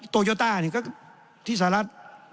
โตโยต้านี่ก็ที่สหรัฐ